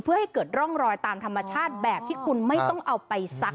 เพื่อให้เกิดร่องรอยตามธรรมชาติแบบที่คุณไม่ต้องเอาไปซัก